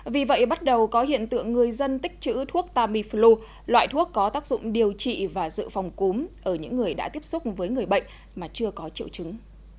vì vậy bắt đầu có hiện tượng người dân tích chữ thuốc tamiflu loại thuốc có tác dụng điều trị và dự phòng cúm ở những người đã tiếp xúc với người bệnh mà chưa có triệu chứng